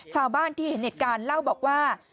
ชาวบ้านที่เห็นเหตุการณ์เล่าบอกว่า